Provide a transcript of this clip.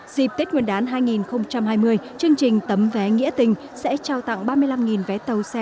dịp tết nguyên đán hai nghìn hai mươi chương trình tấm vé nghĩa tình sẽ trao tặng ba mươi năm vé tàu xe